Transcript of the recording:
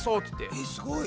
えすごい。